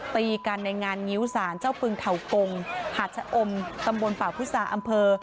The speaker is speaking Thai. ตีกันในงานงิ้วสารเจ้าปึงเถากงหาชะอมตำบลฝาพุทธศาสตร์อำเภอ